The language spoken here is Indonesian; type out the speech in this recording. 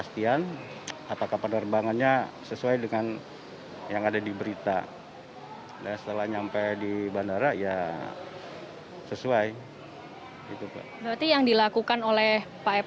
terima kasih pak